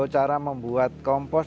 cara membuat kompos